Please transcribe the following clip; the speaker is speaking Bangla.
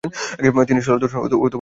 তিনি সেলো, দর্শন ও পিয়ানো শেখেন।